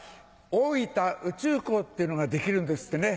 大分宇宙港っていうのが出来るんですってね。